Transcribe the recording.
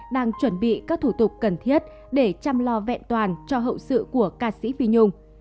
đang chuẩn bị các thủ tục cần thiết để chăm lo vẹn toàn cho hậu sự của ca sĩ phi nhung